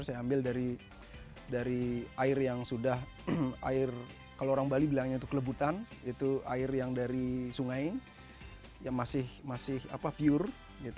saya ambil dari air yang sudah air kalau orang bali bilangnya itu kelebutan itu air yang dari sungai yang masih pure